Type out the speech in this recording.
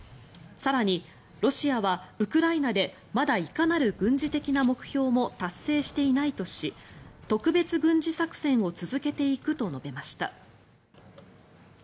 更に、ロシアはウクライナでまだいかなる軍事的な目標も達成していないとし特別軍事作戦を続けていくと述べました。